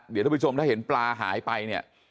เดี๋ยวท่านผู้ชมถ้าเห็นปลาหายไปเนี่ย